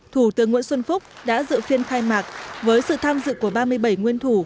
thủ tướng nguyễn xuân phúc đã dự phiên khai mạc với sự tham dự của ba mươi bảy nguyên thủ